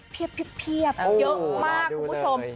เพียบเยอะมากคุณผู้ชม